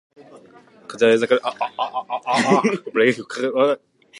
下り坂でブレーキを掛けすぎると、油圧ブレーキの中に入った空気が熱で膨らんで、ブレーキが掛からなくなります。